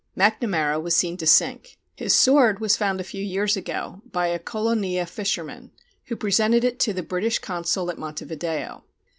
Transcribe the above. Macnamara was seen to sink. His sword was found a few years ago by a Colonia fisherman, who presented it to the British consul at Montevideo.